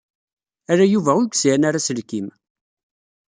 Ala Yuba ur yesɛin ara aselkim.